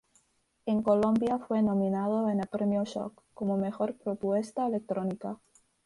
En Colombia fue nominado en el Premio Shock como mejor propuesta electrónica.